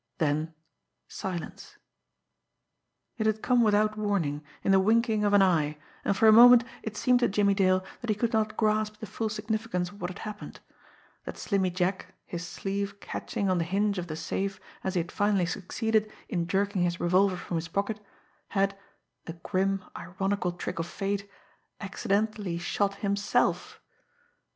Then silence. It had come without warning, in the winking of an eye, and for a moment it seemed to Jimmie Dale that he could not grasp the full significance of what had happened that Slimmy Jack, his sleeve catching on the hinge of the safe as he had finally succeeded in jerking his revolver from his pocket, had, a grim, ironical trick of fate, accidentally shot himself!